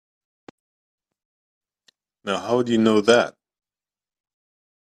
Now how'd you know that?